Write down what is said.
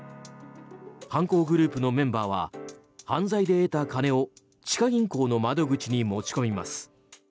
犯行グループのメンバーは犯罪で得た金を地下銀行の窓口に持ち込みます。